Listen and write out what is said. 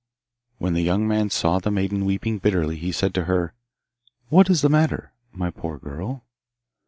When the young man saw the maiden weeping bitterly he said to her, 'What is the matter, my poor girl?